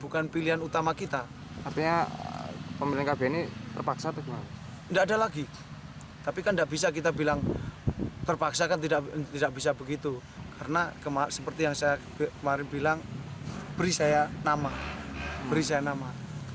karena seperti yang saya kemarin bilang beri saya nama